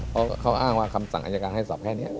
เพราะเขาอ้างว่าคำสั่งอายการให้สอบแค่นี้